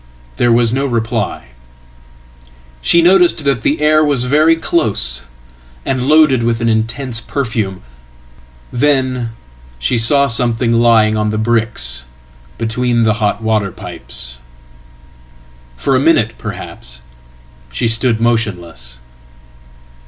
There was no reply. She noticed that the air was very close, and loadedwith an intense perfume. Then she saw something lying on the bricksbetween the hot water pipes. For a minute, perhaps, she stood motionless.